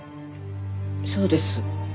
そうです。